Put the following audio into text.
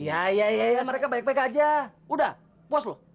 iya iya mereka baik baik aja udah puas loh